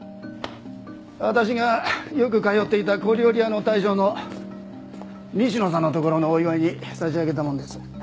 私がよく通っていた小料理屋の大将の西野さんのところのお祝いに差し上げたものです。